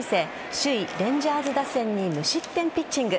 首位・レンジャーズ打線に無失点ピッチング。